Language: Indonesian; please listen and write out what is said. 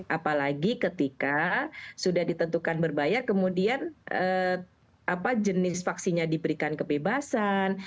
apalagi ketika sudah ditentukan berbayar kemudian jenis vaksinnya diberikan kebebasan